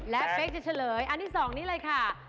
และเป๊กจะเฉลยอันที่๒นี้เลยค่ะ